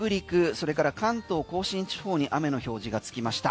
それから関東・甲信地方に雨の表示がつきました。